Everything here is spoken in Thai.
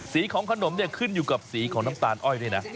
สีของขนมเนี่ยขึ้นอยู่กับสีของน้ำตาลอ้อยด้วยนะ